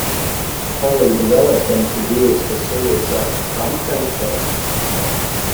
Holley developed and produced a series of drum printers.